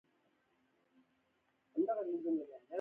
څېړونکی دې له وار له مخکې فرضونو ځان وژغوري.